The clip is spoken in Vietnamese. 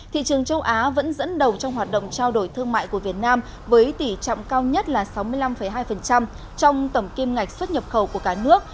thị trường châu á vẫn dẫn đầu trong hoạt động trao đổi thương mại của việt nam với tỷ trọng cao nhất là sáu mươi năm hai trong tổng kim ngạch xuất nhập khẩu của cả nước